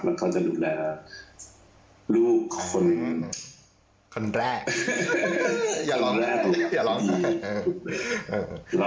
แล้วก็จะดูแลลูกคนแรก